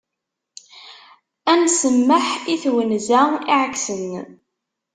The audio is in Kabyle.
Ad nsemmeḥ i twenza iɛeksen.